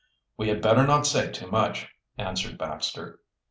"We had better not say too much," answered Baxter.